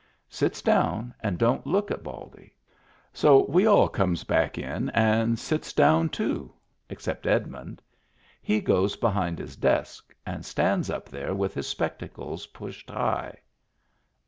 Sits down and don't look at Baldy. So we all comes back in and sits down, too — except Edmund. He goes behind his desk and stands up there with his spectacles pushed high.